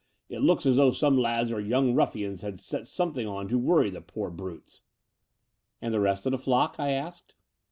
It looks as though some lads or young rufSans had set son^ething on to worry the poor brutes." "And the rest of the flock?" I asked.